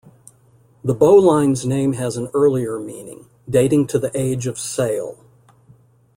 The bowline's name has an earlier meaning, dating to the age of sail.